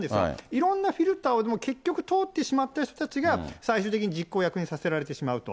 いろんなフィルターを、結局、通ってしまった人たちが、最終的に実行役にさせられてしまうと。